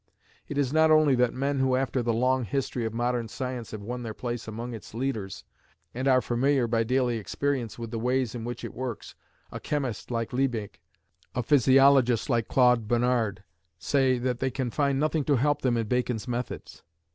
It is not only that men who after the long history of modern science have won their place among its leaders, and are familiar by daily experience with the ways in which it works a chemist like Liebig, a physiologist like Claude Bernard say that they can find nothing to help them in Bacon's methods.